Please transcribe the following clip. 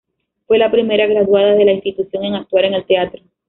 Fue la primera graduada de la institución en actuar en el teatro.